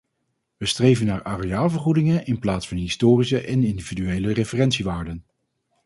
We streven naar areaalvergoedingen in plaats van historische en individuele referentiewaarden.